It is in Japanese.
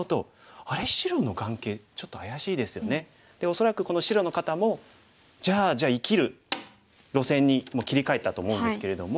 恐らくこの白の方もじゃあ生きる路線に切り替えたと思うんですけれども。